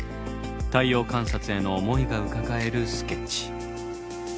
太陽観察への思いがうかがえるスケッチ。